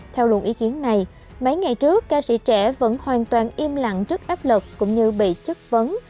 theo luận ý kiến này mấy ngày trước ca sĩ trẻ vẫn hoàn toàn im lặng trước áp lực cũng như bị chất vấn